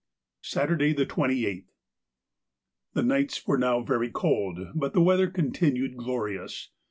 Saturday, the 28th.—The nights were now very cold, but the weather continued glorious.